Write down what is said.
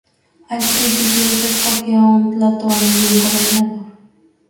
Al principio se escogía un tlatoani y un gobernador.